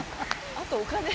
「あとお金」。